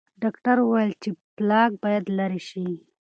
ډاکټر وویل چې پلاک باید لرې شي.